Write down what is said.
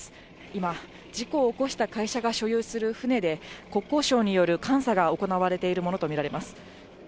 今、事故を起こした会社が所有する船で、国交省による監査が行われているものと見られます。